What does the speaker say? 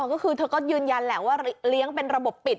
ก็คือเธอก็ยืนยันแหละว่าเลี้ยงเป็นระบบปิด